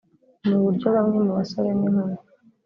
ni uburyo bamwe mu basore n’inkumi